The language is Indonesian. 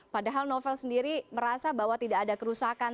padahal novel sendiri merasa bahwa tidak ada kerusakan